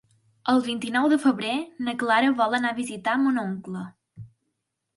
El vint-i-nou de febrer na Clara vol anar a visitar mon oncle.